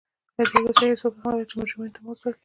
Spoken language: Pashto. له دې وروسته هېڅوک حق نه لري چې مجرمینو ته مزد ورکړي.